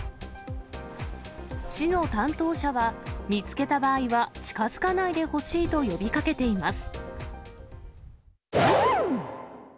市の担当者は、見つけた場合は、近づかないでほしいと呼びかけています。